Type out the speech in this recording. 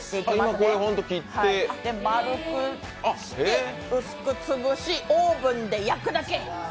で、丸くして、薄く潰し、オーブンで焼くだけ。